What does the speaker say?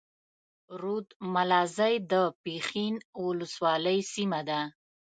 رود ملازۍ د پښين اولسوالۍ سيمه ده.